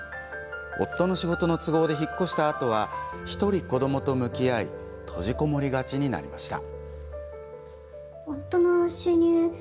夫の仕事の都合で引っ越したあとは１人、子どもと向き合い閉じこもりがちになりました。